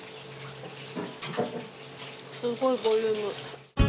すごいボリューム。